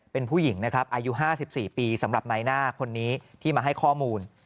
เป็นผู้หญิงนะครับอายุ๕๔ปีสำหรับนายหน้าคนนี้ที่มาให้ข้อมูล